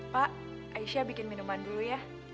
pak aisyah bikin minuman dulu ya